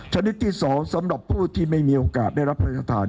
ชนิดที่๒สำหรับผู้ที่ไม่มีโอกาสได้รับพระราชทาน